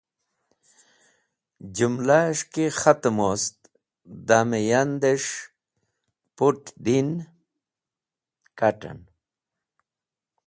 Jũmlash ki khatẽm wost damẽ yandẽs̃h put̃ din/ kat̃ẽn.